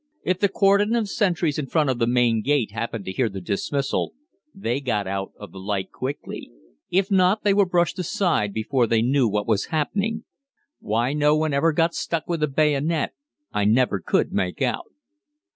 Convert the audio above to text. If the cordon of sentries in front of the main gate happened to hear the dismissal, they got out of the light quickly; if not, they were brushed aside before they knew what was happening. Why no one ever got stuck with a bayonet I never could make out.